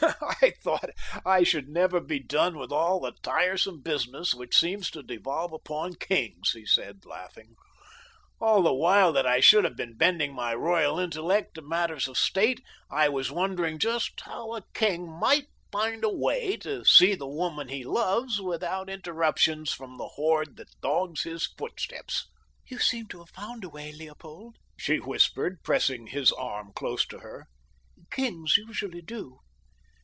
"I thought that I should never be done with all the tiresome business which seems to devolve upon kings," he said, laughing. "All the while that I should have been bending my royal intellect to matters of state, I was wondering just how a king might find a way to see the woman he loves without interruptions from the horde that dogs his footsteps." "You seem to have found a way, Leopold," she whispered, pressing his arm close to her. "Kings usually do."